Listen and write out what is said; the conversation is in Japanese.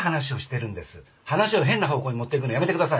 話を変な方向に持っていくのやめてください。